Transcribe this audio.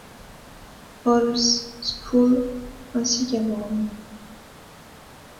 Paul's School ainsi qu'à Brown.